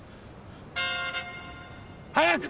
早く！